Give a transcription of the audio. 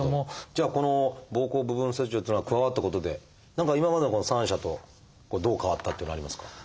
じゃあこの膀胱部分切除っていうのが加わったことで何か今までのこの三者とどう変わったっていうのありますか？